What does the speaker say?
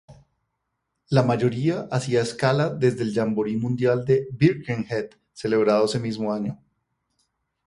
La mayoría hacía escala desde el Jamboree Mundial de Birkenhead celebrado ese mismo año.